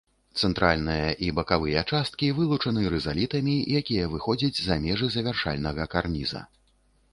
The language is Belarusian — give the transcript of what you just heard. Цэнтральная і бакавыя часткі вылучаны рызалітамі, якія выходзяць за межы завяршальнага карніза.